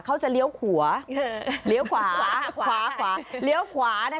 เขาจะเลี้ยวขวาเลี้ยวขวาขวาขวาเลี้ยวขวานะคะ